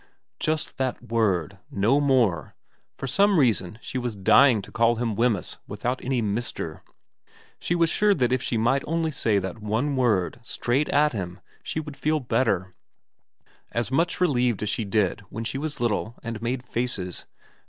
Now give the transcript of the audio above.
Just that word. No more. For some reason she VERA 347 was dying to call him Wemyss without any Mr. She was sure that if she might only say that one word, straight at him, she would feel better ; as much relieved as she did when she was little and made faces.